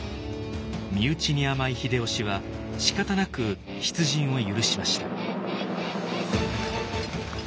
身内に甘い秀吉はしかたなく出陣を許しました。